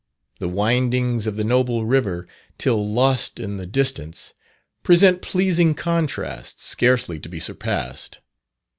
The windings of the noble river till lost in the distance, present pleasing contrasts, scarcely to be surpassed.